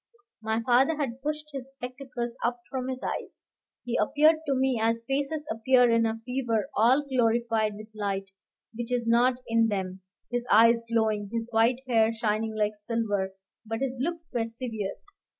My father had pushed his spectacles up from his eyes. He appeared to me as faces appear in a fever, all glorified with light which is not in them, his eyes glowing, his white hair shining like silver; but his looks were severe.